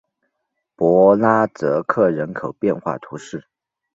博拉泽克人口变化图示